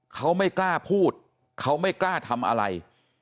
เขาไม่กล้าพูดเขาไม่กล้าทำอะไร